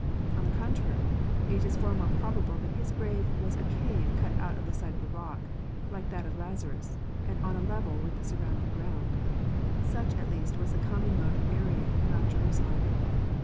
On the con trary, it is far more probable that His grave was a cave cut out of the side of a rock, like that of Lazarus, and on a level with the surrounding ground. Such, at least, was the common mode of burying round Jerusalem.